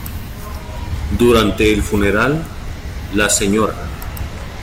Durante el funeral, la Sra.